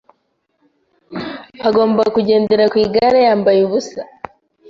agomba kugendera ku igare yambaye ubusa